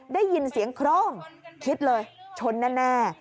ได้ยินเสียงคร่อมคิดเลยชนแน่